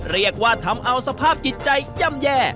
เรียกว่าทำเอาสภาพกิจใจแย่